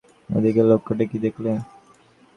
আধুনিকের লক্ষণটা কী দেখলে।